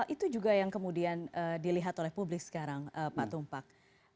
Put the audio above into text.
itu juga yang kemudian dilihat oleh publik sekarang pak tumpak